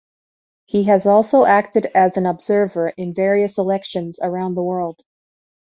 He has also acted as an observer in various elections around the world.